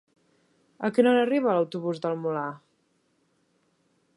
A quina hora arriba l'autobús del Molar?